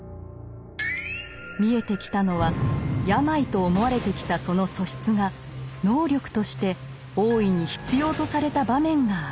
見えてきたのは病と思われてきたその素質が能力として大いに必要とされた場面があったこと。